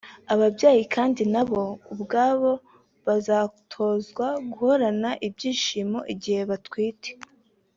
Ababyeyi kandi nabo ubwabo bazatozwa guhorana ibyishimo igihe batwite